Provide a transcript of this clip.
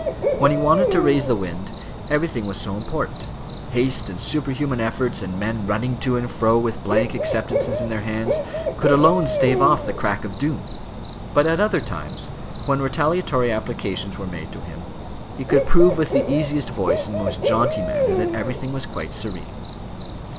When he wanted to raise the wind, everything was so important; haste and superhuman efforts, and men running to and fro with blank acceptances in their hands, could alone stave off the crack of doom; but at other times, when retaliatory applications were made to him, he could prove with the easiest voice and most jaunty manner that everything was quite serene.